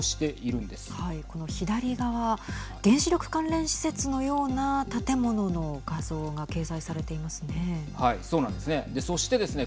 この左側原子力関連施設のような建物の画像が掲載されていますね。